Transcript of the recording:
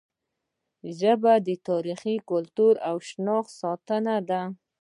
ژبه د تاریخ، کلتور او شناخت ساتونکې ده.